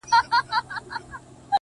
د اوښکو ته مو لپې لوښي کړې که نه ـ